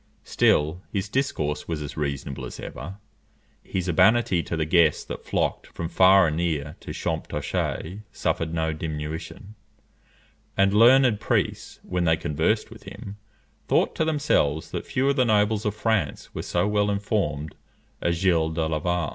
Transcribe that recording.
Still his discourse was as reasonable as ever, his urbanity to the guests that flocked from far and near to Champtocé suffered no diminution; and learned priests, when they conversed with him, thought to themselves that few of the nobles of France were so well informed as Gilles de Laval.